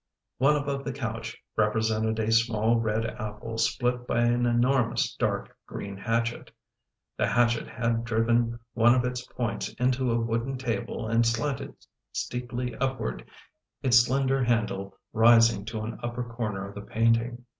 One above the couch represented a small red apple split by an enormous dark green hatchet. The hatchet had driven one of its points into a wooden table and slanted steeply upward, its slen der handle rising to an upper corner of the painting.